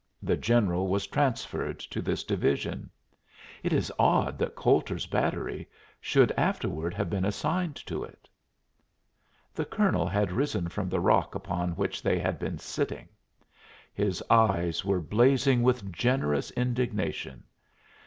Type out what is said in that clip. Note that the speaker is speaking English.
The general was transferred to this division. It is odd that Coulter's battery should afterward have been assigned to it." The colonel had risen from the rock upon which they had been sitting. His eyes were blazing with a generous indignation.